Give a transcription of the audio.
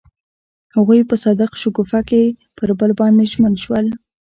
هغوی په صادق شګوفه کې پر بل باندې ژمن شول.